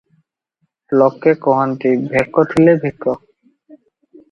ଲୋକେ କହନ୍ତି, "ଭେକ ଥିଲେ ଭିକ ।"